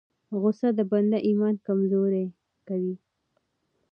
غصه د بنده ایمان کمزوری کوي.